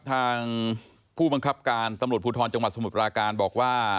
ทางผู้บังคับการตำรวจภูทรจังหวัดสมุทรปราการบอกว่า